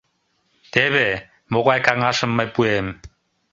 — Теве могай каҥашым мый пуэм...